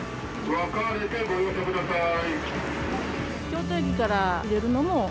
分かれてご乗車ください。